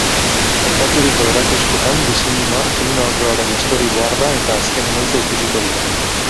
Aipaturiko erakusketan diseinua, film laburraren story-boarda eta azken emaitza ikusiko dira.